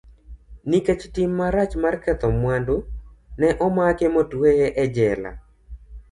Nikech tim marach mar ketho mwandu, ne omake motueye e jela.